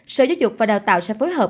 sở giáo dục và đào tạo sẽ phối hợp